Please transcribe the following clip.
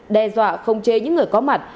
đe dọa không chê những người có mặt